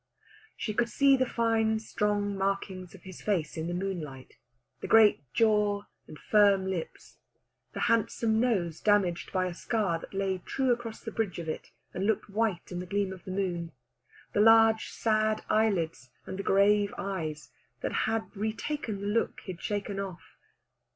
She could see the fine strong markings of his face in the moonlight, the great jaw and firm lips, the handsome nose damaged by a scar that lay true across the bridge of it, and looked white in the gleam of the moon, the sad large eyelids and the grave eyes that had retaken the look he had shaken off.